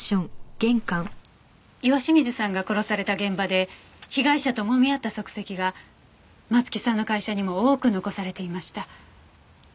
岩清水さんが殺された現場で被害者ともみ合った足跡が松木さんの会社にも多く残されていました。